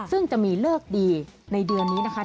ซึ่งจะมีเลิกดีในเดือนนี้นะคะ